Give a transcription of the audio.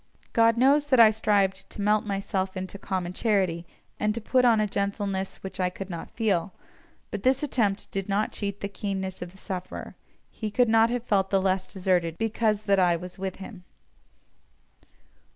God knows that I strived to melt myself into common charity, and to put on a gentleness which I could not feel, but this attempt did not cheat the keenness of the sufferer; he could not have felt the less deserted because that I was with him.